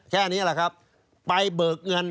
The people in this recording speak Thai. แค่นี้แหละครับไปเบิกเงิน